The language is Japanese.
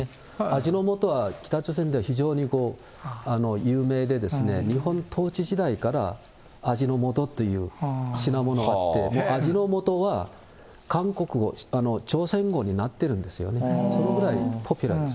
味の素は北朝鮮では非常に有名で、日本統治時代から、味の素っていう品物があって、味の素は韓国、朝鮮語になってるんですよね、そのぐらいポピュラーです。